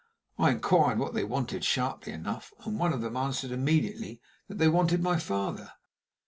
I inquired what they wanted sharply enough, and one of them answered immediately that they wanted my father.